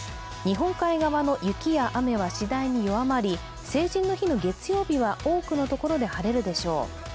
日本海側の雪や雨は次第に弱まり、成人の日の月曜日は多くのところで晴れるでしょう。